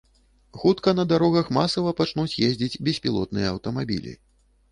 Хутка на дарогах масава пачнуць ездзіць беспілотныя аўтамабілі.